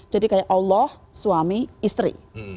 jadi kayak allah suami istri